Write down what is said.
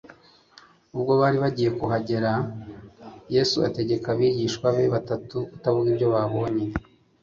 Ubwo bari bagiye kuhagera Yesu ategeka abigishwa be batatu kutavuga ibyo babonye.